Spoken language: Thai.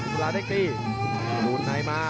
ภาษณาเด็กตีหลุดนายมา